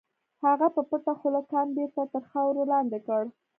هغه په پټه خوله کان بېرته تر خاورو لاندې کړ.